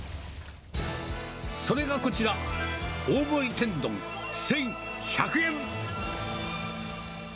それがこちら、大盛り天丼１１００円。